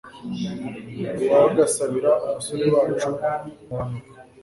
uwagasabira umusore wacu muhanuka